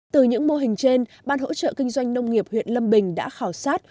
từ những mô hình trên ban hỗ trợ kinh doanh nông nghiệp huyện lâm bình đã khảo sát